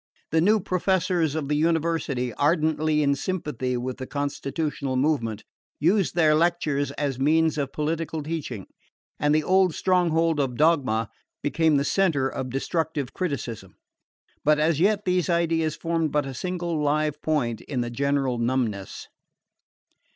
The new professors of the University, ardently in sympathy with the constitutional movement, used their lectures as means of political teaching, and the old stronghold of dogma became the centre of destructive criticism. But as yet these ideas formed but a single live point in the general numbness.